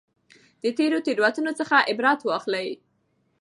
د تېرو تېروتنو څخه عبرت واخلئ.